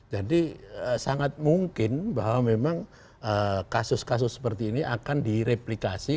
jadi sangat mungkin bahwa memang kasus kasus seperti ini akan direplikasi